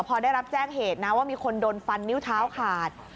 พอได้รับแจ้งเหตุนะว่ามีคนโดนฟันนิ้วเท้าขาด